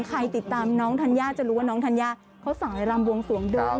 ติดตามน้องธัญญาจะรู้ว่าน้องธัญญาเขาสั่งรำวงสวงเดิม